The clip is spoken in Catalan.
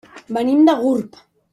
Venim de Gurb.